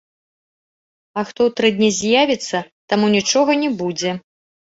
А хто ў тры дні з'явіцца, таму нічога не будзе.